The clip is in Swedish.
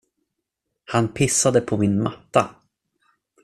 Han pissade på min matta.